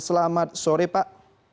selamat sore pak